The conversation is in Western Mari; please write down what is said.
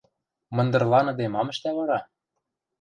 Мындырланыде мам ӹштӓ вара?